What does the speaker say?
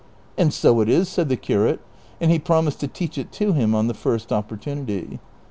" And so it is," said the curate, and he promised to teach it to him on the first opportunity.